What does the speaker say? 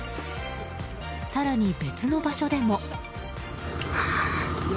更に別の場所でも。